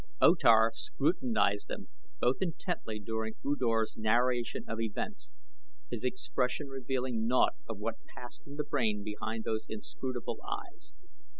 O Tar scrutinized them both intently during U Dor's narration of events, his expression revealing naught of what passed in the brain behind those inscrutable eyes.